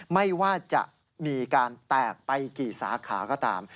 ไม่ว่าจะมีการแตกไปกี่สาขาก็ตาม